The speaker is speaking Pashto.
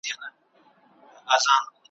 پورته به ملاله په رنګین بیرغ کي چیغه کړي ,